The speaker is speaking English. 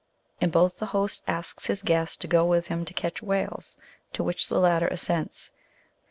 In both the host asks his guest to go with him to catch whales, to which the latter assents.